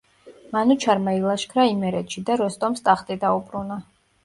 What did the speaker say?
მანუჩარმა ილაშქრა იმერეთში და როსტომს ტახტი დაუბრუნა.